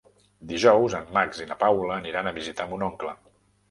Dijous en Max i na Paula aniran a visitar mon oncle.